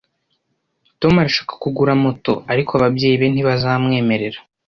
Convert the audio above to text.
Tom arashaka kugura moto, ariko ababyeyi be ntibazamwemerera